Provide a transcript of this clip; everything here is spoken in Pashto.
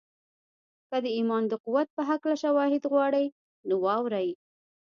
که د ایمان د قوت په هکله شواهد غواړئ نو واورئ